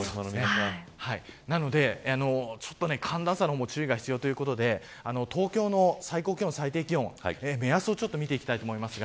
寒暖差にも注意が必要ということで東京の最高気温、最低気温の目安を見ていきます。